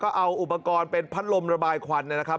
ก็เอาอุปกรณ์เป็นพัดลมระบายควันนะครับ